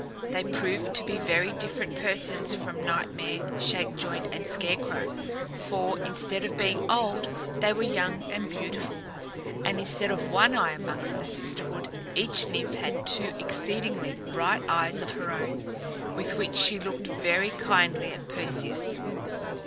They proved to be very different persons from Nightmare, Shakejoint and Scarecrow; for, instead of being old, they were young and beautiful; and instead of one eye amongst the sisterhood, each Nymph had two exceedingly bright eyes of her own, with which she looked very kindly at Perseus.